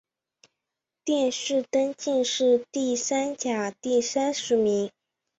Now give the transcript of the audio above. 殿试登进士第三甲第三十名。